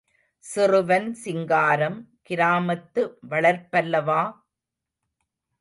சிறுவன் சிங்காரம் கிராமத்து வளர்ப்பல்லவா!